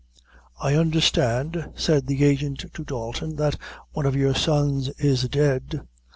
"I understand," said the agent to Dalton, "that one of your sons is dead.